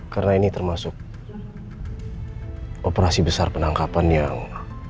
karena ini termasuk operasi besar penangkapan yang